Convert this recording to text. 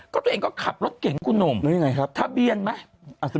ก็ตัวเองก็ขับรถเก่งกูหนุ่มทะเบียนไหม